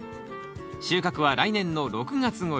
収穫は来年の６月頃。